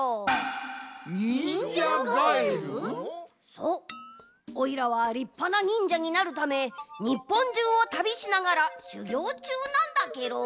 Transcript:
そうオイラはりっぱな忍者になるためにっぽんじゅうをたびしながらしゅぎょうちゅうなんだケロ。